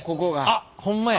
あっほんまや。